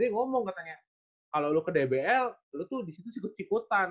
dede ngomong katanya kalau lu ke dbl lu tuh disitu sikut sikutan